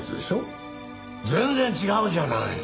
全然違うじゃない！